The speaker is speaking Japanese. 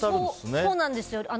そうなんですよ。